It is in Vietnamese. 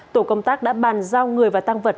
tổ công tác đã bàn giao người và tăng vật